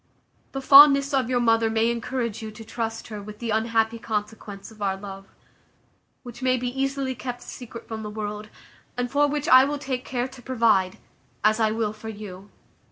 The fondness of your mother may encourage you to trust her with the unhappy consequence of our love, which may be easily kept a secret from the world, and for which I will take care to provide, as I will for you.